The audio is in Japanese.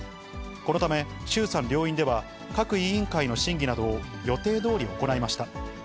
このため、衆参両院では、各委員会の審議などを予定どおり行いました。